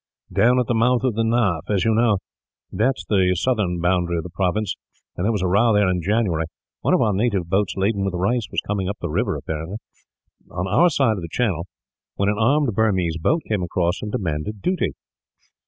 "Down at the mouth of the Naaf. As you know, that is the southern boundary of the province, and there was a row there in January. One of our native boats laden with rice was coming up the river, on our side of the channel, when an armed Burmese boat came across and demanded duty.